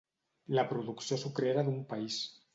La producció sucrera d'un país.